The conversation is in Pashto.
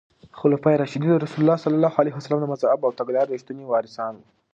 خلفای راشدین د رسول الله ص د مذهب او تګلارې رښتیني وارثان وو.